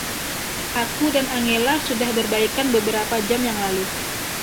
Aku dan Angela sudah berbaikan beberapa jam yang lalu.